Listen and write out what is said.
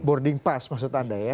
boarding pass maksud anda ya